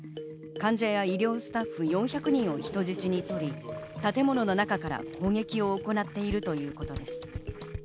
患者や医療スタッフ４００人を人質にとり、建物の中から砲撃を行っているということです。